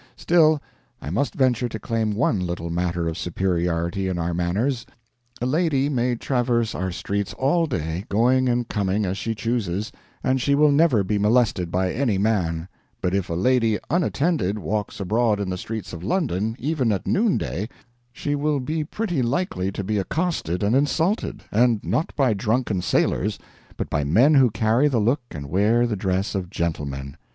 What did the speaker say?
Still, I must venture to claim one little matter of superiority in our manners; a lady may traverse our streets all day, going and coming as she chooses, and she will never be molested by any man; but if a lady, unattended, walks abroad in the streets of London, even at noonday, she will be pretty likely to be accosted and insulted and not by drunken sailors, but by men who carry the look and wear the dress of gentlemen.